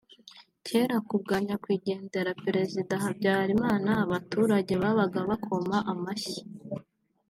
Cyera kubwa Nyakwigendera Président Habyarimana abaturage babaga bakoma amashyi